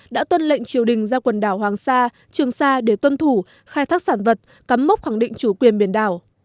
đã tuân lệnh triều đình ra quần đảo hoàng sa trường sa để tuân thủ khai thác sản vật cắm mốc khẳng định chủ quyền biển đảo